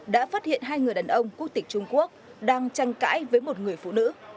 đã phát hiện hai người đàn ông quốc tịch trung quốc đang tranh cãi với một người phụ nữ